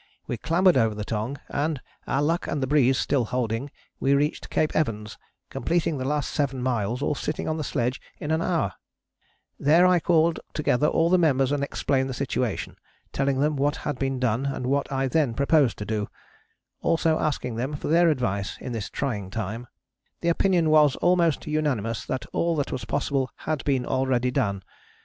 We clambered over the Tongue, and, our luck and the breeze still holding, we reached Cape Evans, completing the last seven miles, all sitting on the sledge, in an hour." [Illustration: CAPE EVANS FROM ARRIVAL HEIGHTS] [Illustration: CAPE ROYDS FROM CAPE BARNE] "There I called together all the members and explained the situation, telling them what had been done, and what I then proposed to do; also asking them for their advice in this trying time. The opinion was almost unanimous that all that was possible had been already done.